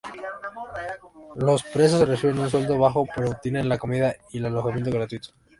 Los presos reciben un sueldo bajo, pero tienen la comida y el alojamiento gratuito.